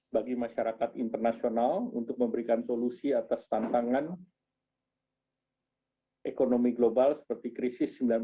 bagi masyarakat internasional untuk memberikan solusi atas tantangan ekonomi global seperti krisis seribu sembilan ratus sembilan puluh